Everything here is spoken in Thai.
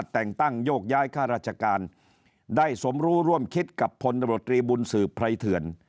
แต่งตั้งโยกย้ายค่าราชการได้สมรู้ร่วมคิดกับพศบุญสือภัยเถื่อน